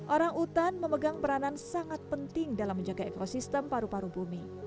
orang utan memegang peranan sangat penting dalam menjaga ekosistem paru paru bumi